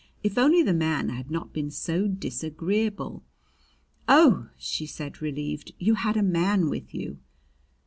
If only the man had not been so disagreeable " "Oh," she said, relieved, "you had a man with you!"